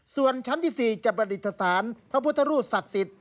ส่วนชั้นที่๔จะประดิษฐานพระพุทธรูปศักดิ์สิทธิ